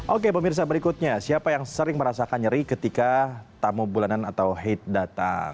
oke pemirsa berikutnya siapa yang sering merasakan nyeri ketika tamu bulanan atau hate datang